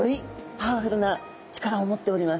パワフルな力を持っております。